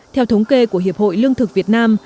theo thống kê của hiệp hội lương thực việt nam